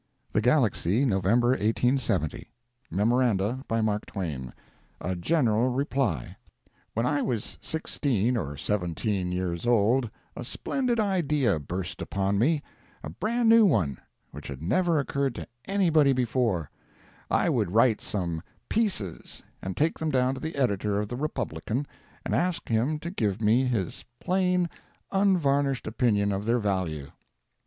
THE GALAXY, November 1870 MEMORANDA. BY MARK TWAIN. A GENERAL REPLY. When I was sixteen or seventeen years old, a splendid idea burst upon me—a bran new one, which had never occurred to anybody before: I would write some "pieces" and take them down to the editor of the "Republican," and ask him to give me his plain, unvarnished opinion of their value!